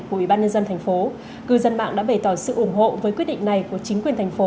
của ủy ban nhân dân tp cư dân mạng đã bày tỏ sự ủng hộ với quyết định này của chính quyền tp